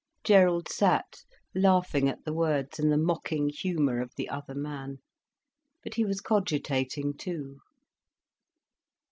Gerald sat laughing at the words and the mocking humour of the other man. But he was cogitating too.